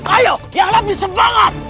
ayo yang lebih semangat